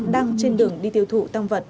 đang trên đường đi tiêu thụ tăng vật